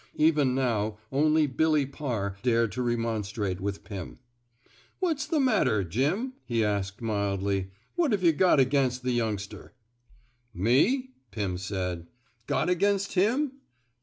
Even now, only Billy Parr dared to remonstrate with Pim, What's the matter, Jimf " he asked, mildly. What Ve yuh got against the youngster? "'' Met " Pim said. '' Got against him?